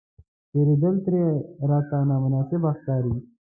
تېرېدل ترې راته نامناسبه ښکاري.